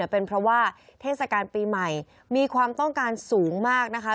เป็นเพราะว่าเทศกาลปีใหม่มีความต้องการสูงมากนะคะ